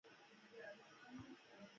هېواد د دعا قبلېدو ځای دی.